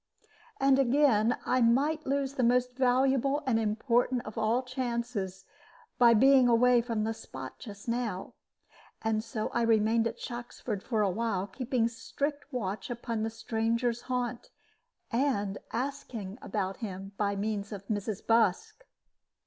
And, again, I might lose the most valuable and important of all chances by being away from the spot just now. And so I remained at Shoxford for a while, keeping strict watch upon the stranger's haunt, and asking about him by means of Mrs. Busk.